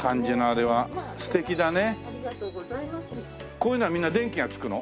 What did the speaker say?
こういうのはみんな電気がつくの？